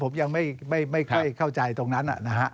ผมยังไม่ค่อยเข้าใจตรงนั้นนะฮะ